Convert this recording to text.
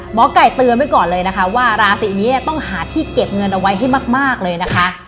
หมอไก่เตือนไว้ก่อนเลยนะคะว่าราศีนี้ต้องหาที่เก็บเงินเอาไว้ให้มากเลยนะคะ